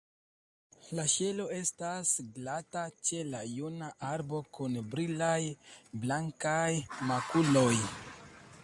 La ŝelo estas glata ĉe la juna arbo, kun brilaj, blankaj makuloj.